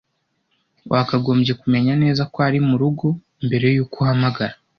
Wakagombye kumenya neza ko ari murugo mbere yuko umuhamagara.